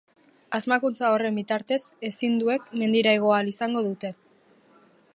Asmakuntza horren bitartez, ezinduek mendira igo ahal izango dute.